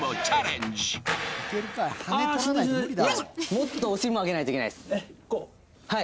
もっとお尻も上げないといけないです。